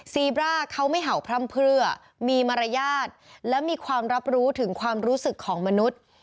ซีบร่าเขาไม่เห่าพร่ำเพลือมีมารยาทและมีความรับรู้ถึงความรู้สึกของมนุษย์